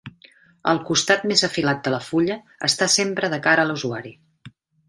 El costat més afilat de la fulla està sempre de cara a l'usuari.